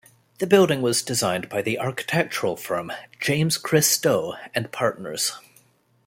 The building was designed by the architectural firm James Christou and Partners.